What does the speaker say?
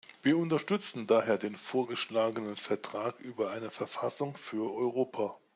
Wir unterstützen daher den vorgeschlagenen Vertrag über eine Verfassung für Europa.